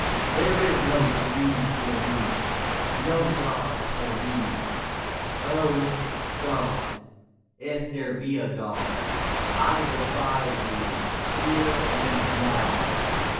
There is no dream for me, no God for me ! Oh, God, if there be a God, I defy Thee here and now.